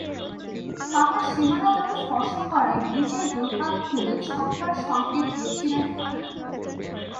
পা-টা সীমানা-দড়ি স্পর্শ করায় নিজেই দুই হাত তুলে ছক্কার সংকেত দিয়েছিলেন ফরহাদ।